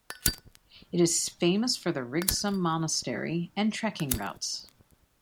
It is famous for the Rigsum Monastery and trekking routes.